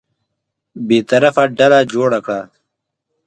بېطرفه ډله جوړه کړه.